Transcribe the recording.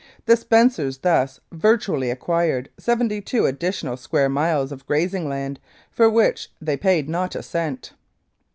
The Spencers thus virtually acquired seventy two additional square miles of grazing land, for which they paid not a cent.